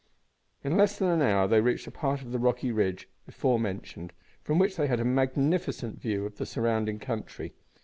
In less than an hour they reached a part of the rocky ridge before mentioned, from which they had a magnificent view of the surrounding country.